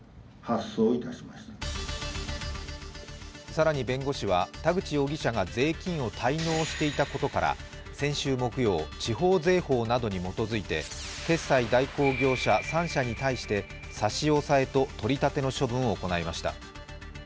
更に弁護士は田口容疑者が税金を滞納していたことから先週木曜、地方税法などに基づいて決済代行業者３社に対して差し押さえと取り立ての処分を行いました。